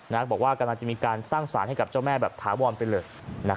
นักบอกว่ากลางจะมีการสร้างสารให้กับเจ้าแม่แบบถาวรไปเลยนะครับ